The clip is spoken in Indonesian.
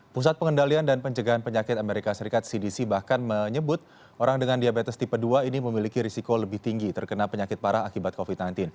pusat pengendalian dan pencegahan penyakit amerika serikat cdc bahkan menyebut orang dengan diabetes tipe dua ini memiliki risiko lebih tinggi terkena penyakit parah akibat covid sembilan belas